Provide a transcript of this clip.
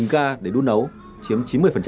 gà để đun nấu chiếm chín mươi